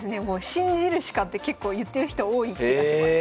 「信じるしか」って結構言ってる人多い気がします。